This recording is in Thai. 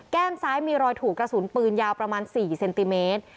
ซ้ายมีรอยถูกกระสุนปืนยาวประมาณ๔เซนติเมตร